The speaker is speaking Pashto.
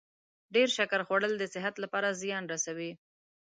ډیر شکر خوړل د صحت لپاره زیان رسوي.